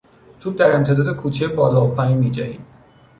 توپ در امتداد کوچه بالا و پایین میجهید.